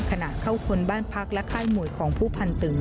ขณะเข้าคนบ้านพักและค่ายมวยของผู้พันตึง